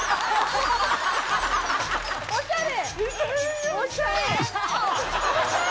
おしゃれ！